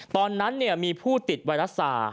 ตอนนั้นมีผู้ติดไวรัสซา